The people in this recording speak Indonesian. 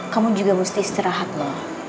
kamu juga mesti istirahat loh